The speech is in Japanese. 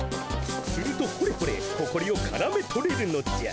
するとほれほれほこりをからめとれるのじゃ。